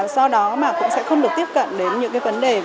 rozanne roon văn liên hệ thông tin drop b meinem